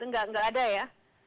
tidak ada ya